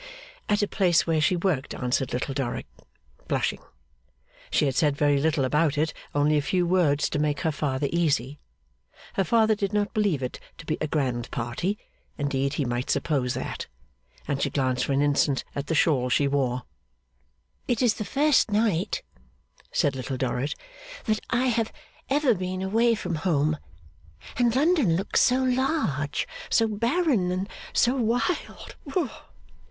At a place where she worked, answered Little Dorrit, blushing. She had said very little about it; only a few words to make her father easy. Her father did not believe it to be a grand party indeed he might suppose that. And she glanced for an instant at the shawl she wore. 'It is the first night,' said Little Dorrit, 'that I have ever been away from home. And London looks so large, so barren, and so wild.